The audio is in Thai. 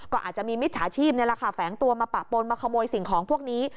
ก็อาจจะมีมิตรฐาชีพแฝงตัวมาปะปนมาขโมยสิ่งของพวกนี้